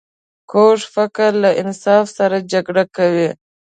کوږ فکر له انصاف سره جګړه کوي